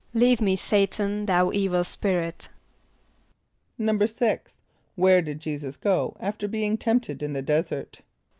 ="Leave me, S[=a]´tan, thou evil spirit."= =6.= Where did J[=e]´[s+]us go after being tempted in the desert?